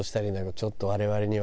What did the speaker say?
ちょっと我々には。